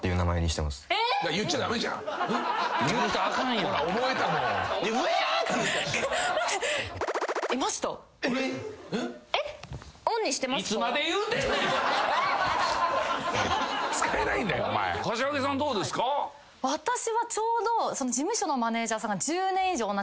私はちょうど事務所のマネージャーさんが。